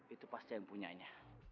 itu pasca yang punya nya